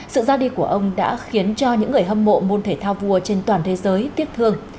sự ra đi của ông đã khiến cho những người hâm mộ môn thể thao vua trên toàn thế giới tiếc thương